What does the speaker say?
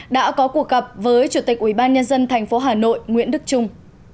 đã có cuộc gặp với chủ tịch ủy ban nhân dân thành phố hà nội nguyễn đức trung